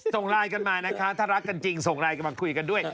ส่งไลน์กันมานะคะถ้ารักกันจริงส่งไลน์กันมาคุยกันด้วย